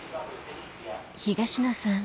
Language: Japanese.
東野さん